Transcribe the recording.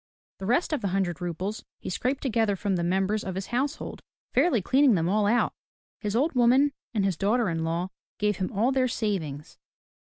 The rest of the hundred roubles he scraped together from the members of his household, fairly cleaning them all out. His old woman and his daughter in law gave him all their savings.